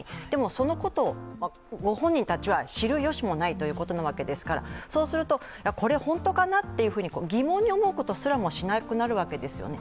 でも、そのことをご本人たちは知るよしもないということなわけですからそうすると、本当かな？と疑問に思うことすらもしなくなるわけです。